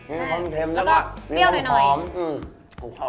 มีคล้มเค็มแล้วก็มีหรือหอม